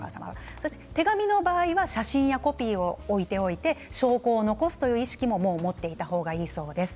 手紙の場合は写真やコピーを置いておいて証拠を残すという意識を持っていた方がいいそうです。